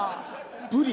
ブリ。